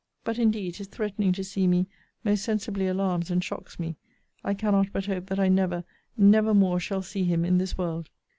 But indeed his threatening to see me most sensibly alarms and shocks me. I cannot but hope that I never, never more shall see him in this world.